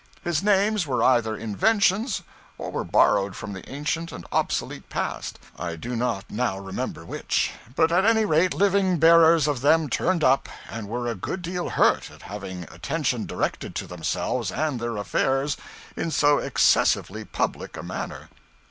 His names were either inventions or were borrowed from the ancient and obsolete past, I do not now remember which; but at any rate living bearers of them turned up, and were a good deal hurt at having attention directed to themselves and their affairs in so excessively public a manner.